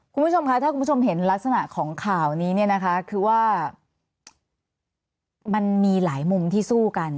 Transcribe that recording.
คุณผู้ชมคะถ้าคุณผู้ชมเห็นลักษณะของข่าวนี้เนี่ยนะคะคือว่ามันมีหลายมุมที่สู้กัน